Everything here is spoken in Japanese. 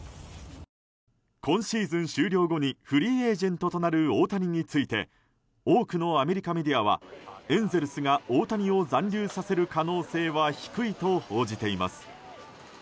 今シーズン終了後にフリーエージェントとなる大谷について多くのアメリカメディアはエンゼルスが大谷を残留させる可能性は低いと報じています。